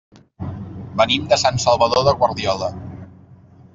Venim de Sant Salvador de Guardiola.